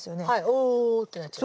Ｏってなっちゃう。